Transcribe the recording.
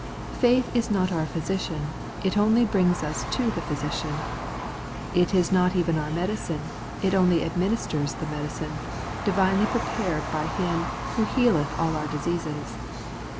Faith is not our physician ; it only brings us to the Physician, It is not even our medicine ; it only administers the medicine, divinely prepared by Him who ' healeth all our diseases.'